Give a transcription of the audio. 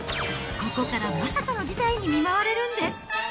ここからまさかの事態に見舞われるんです。